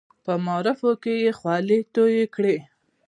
په معارفو کې یې خولې تویې کړې.